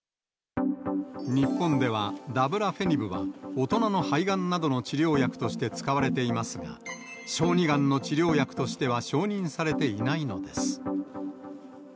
日本ではダブラフェニブは大人の肺がんなどの治療薬として使われていますが、小児がんの治療薬としては承認されていないのです。